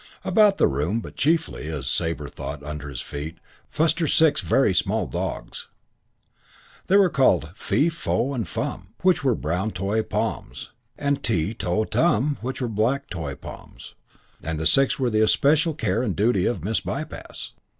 About the room, but chiefly, as Sabre thought, under his feet, fussed her six very small dogs. There were called Fee, Fo and Fum, which were brown toy Poms; and Tee, To, Tum, which were black toy Poms, and the six were the especial care and duty of Miss Bypass.